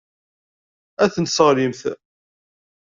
Ad tent-tesseɣlimt.